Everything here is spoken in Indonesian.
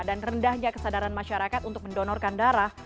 dan rendahnya kesadaran masyarakat untuk mendonorkan darah